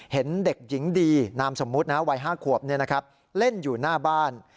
เห็นเด็กหญิงดีนามสมมุติวัย๕ขวบเล่นอยู่หน้าบ้าน